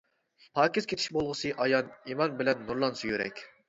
پاكىز كېتىش بولغۇسى ئايان، ئىمان بىلەن نۇرلانسا يۈرەك.